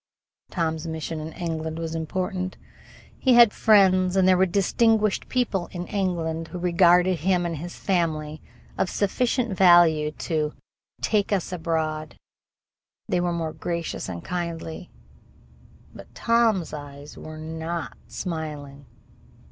Tom's mission in England was important. He had friends, and there were distinguished people in England who regarded him and his family of sufficient value to "take us aboard." They were most gracious and kindly. But Tom's eyes were not smiling.